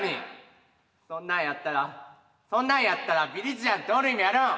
そんなんやったらそんなんやったらビリジアンっておる意味あるん？